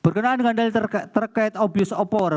berkenaan dengan dalil terkait abuse of power